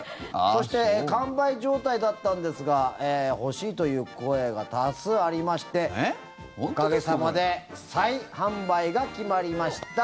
そして、完売状態だったんですが欲しいという声が多数ありましておかげ様で再販売が決まりました